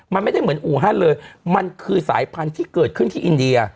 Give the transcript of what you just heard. มันไม่ได้เหมือนอูฮันเลยมันคือสายพันธุ์ที่เกิดขึ้นที่อินเดีย